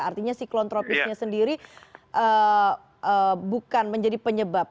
artinya siklon tropisnya sendiri bukan menjadi penyebab